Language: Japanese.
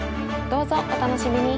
どうぞお楽しみに！